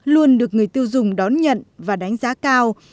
luôn được người tiêu dùng đón nhận và đánh giá cao